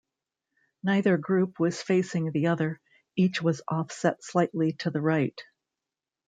Neither group was facing the other; each was offset slightly to the right.